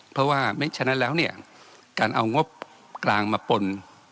เพราะว่าไม่ฉะนั้นแล้วเนี่ยการเอางบกลางมาปน